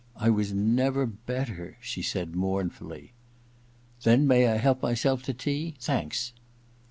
* I was never better,' she said, mournfully. * Then may I help myself to tea ? Thanks.